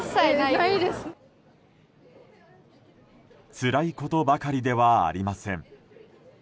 つらいことばかりではありません。